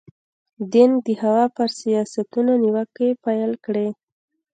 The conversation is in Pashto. دینګ د هوا پر سیاستونو نیوکې پیل کړې.